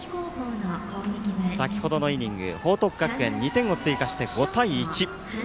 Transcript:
先ほどのイニング報徳学園２点を追加して５対１。